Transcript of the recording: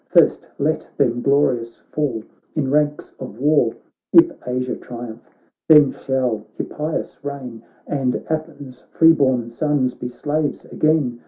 First let them glorious fall in ranks of war ! If Asia triumph, then shall Hippias reign, And Athens' free born sons be slaves again